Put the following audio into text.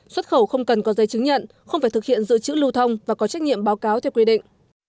xuất khẩu không cần có giấy chứng nhận không phải thực hiện dự trữ lưu thông và có trách nhiệm báo cáo theo quy định